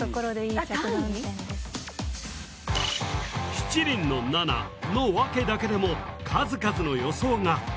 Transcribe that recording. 七輪の７のワケだけでも数々の予想が。